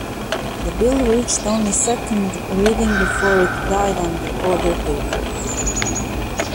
The bill reached only second reading before it died on the order paper.